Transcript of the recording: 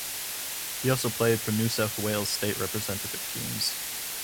He also played for New South Wales state representative teams.